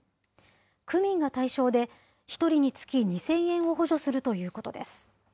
区民が対象で、１人につき２０００円を補助するということです。